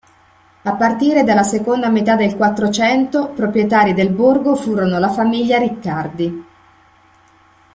A partire dalla seconda metà del Quattrocento proprietari del Borgo furono la famiglia Riccardi.